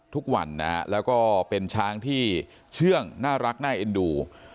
ทุกวันนะฮะแล้วก็เป็นช้างที่เชื่องน่ารักน่าเอ็นดู